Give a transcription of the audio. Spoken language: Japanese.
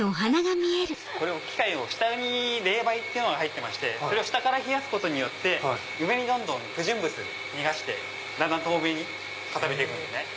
機械の下に冷媒っていうのが入ってまして下から冷やすことによって上に不純物逃がしてだんだん透明に固めていくんですね。